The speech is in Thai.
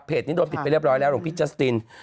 นี้โดนผิดไปเรียบร้อยแล้วหลวงพี่จัสติน